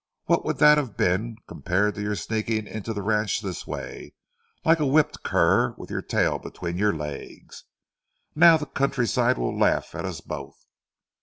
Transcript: What would that have been, compared to your sneaking into the ranch this way, like a whipped cur with your tail between your legs? Now, the countryside will laugh at us both."